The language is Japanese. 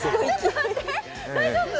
大丈夫？